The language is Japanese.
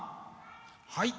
はい。